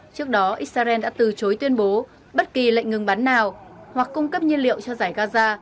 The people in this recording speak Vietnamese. trước đó israel đã từ chối tuyên bố bất kỳ lệnh ngừng bắn nào hoặc cung cấp nhiên liệu cho giải gaza